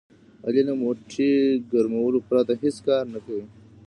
علي له موټي ګرمولو پرته هېڅ کار نه کوي.